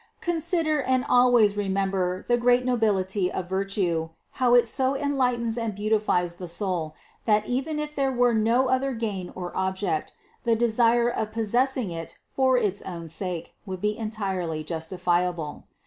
Consider and always remember the great nobility of virtue, how it 376 CITY OF GOD so enlightens and beautifies the soul, that even if there were no other gain or object, the desire of possessing it for its own sake would be entirely justifiable.